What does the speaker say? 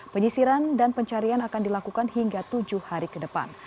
penyisiran dan pencarian akan dilakukan hingga tujuh hari ke depan